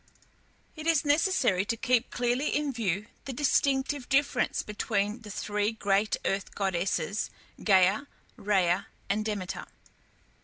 It is necessary to keep clearly in view the distinctive difference between the three great earth goddesses Gæa, Rhea, and Demeter.